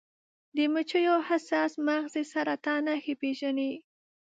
د مچیو حساس مغز د سرطان نښې پیژني.